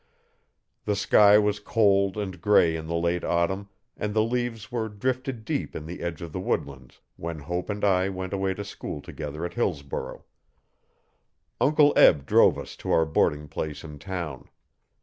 The sky was cold and grey in the late autumn and the leaves were drifted deep in the edge of the woodlands when Hope and I went away to school together at Hillsborough. Uncle Eb drove us to our boarding place in town.